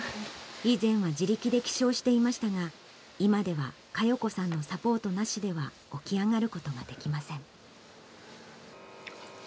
以前は自力で起床していましたが、今では、加代子さんのサポートなしでは起き上がることができません。